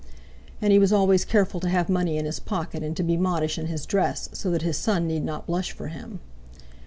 And he was always careful to have money in his pocket, and to be modish in his dress, so that his son need not blush for him.